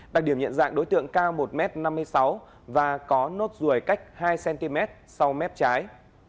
đặc điểm nhận dạng đối tượng cao một m năm mươi sáu và có nốt ruồi cách hai cm sau mép trái